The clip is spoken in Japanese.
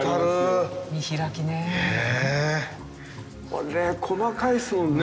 これ細かいですもんね。